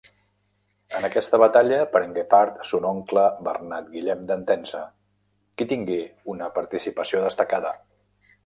En aquesta batalla prengué part son oncle Bernat Guillem d'Entença, qui tingué una participació destacada.